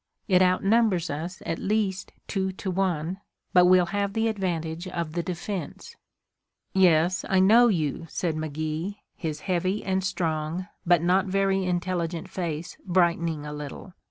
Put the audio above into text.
It outnumbers us at least two to one, but we'll have the advantage of the defense." "Yes, I know you," said McGee, his heavy and strong, but not very intelligent face, brightening a little.